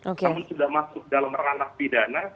namun sudah masuk dalam ranah pidana